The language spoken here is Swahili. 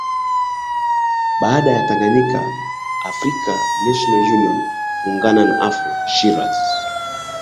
Baada ya Tanganyika Afrika National Union kuungana na Afro shiraz